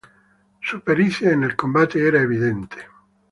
Su pericia en el combate era evidente.